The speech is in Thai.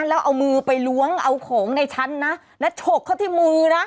แล้วเอามือไปล้วงเอาของในชั้นนะแล้วฉกเข้าที่มือนะ